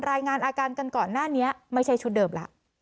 รายงานอาการกันก่อนหน้านี้ไม่ใช่ชุดเดิมแล้ว